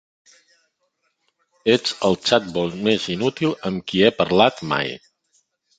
Ets el xatbol més inútil amb qui he parlat mai.